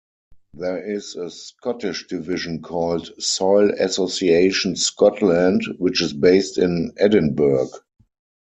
There is a Scottish division called Soil Association Scotland, which is based in Edinburgh.